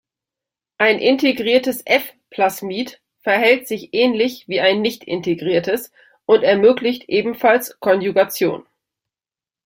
Ein integriertes F-Plasmid verhält sich ähnlich wie ein nicht-integriertes und ermöglicht ebenfalls Konjugation.